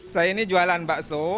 saya ini jualan bakso